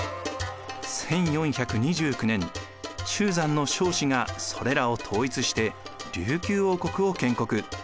１４２９年中山の尚氏がそれらを統一して琉球王国を建国。